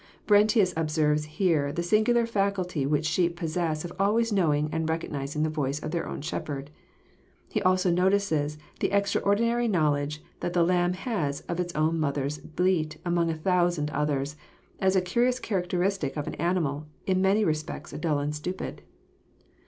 Brentius observes here the singular faculty which sheep possess of always knowing and recognizing the voice of their own shepherd. He also notices the extraordinary knowledge that the lamb has of its own mother's bleat among a thousand others, as a curious characteristic of an animal in many respects dull and stupid.